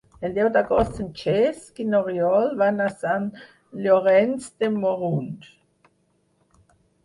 El deu d'agost en Cesc i n'Oriol van a Sant Llorenç de Morunys.